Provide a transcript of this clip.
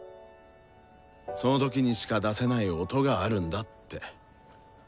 その瞬間にしか出せない「音」があるんだって。